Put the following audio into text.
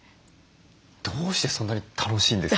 どうしてそんなに楽しいんですか？